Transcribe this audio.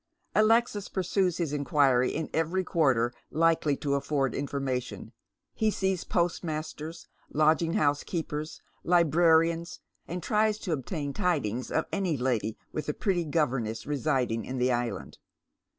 Alexis pursues his inquiry in every quarter likely to afford infoiTnation. He sees postmasters, lodging house keepers, librarians and tries to obtain tidings of any lady with a pretty governess residing in the island.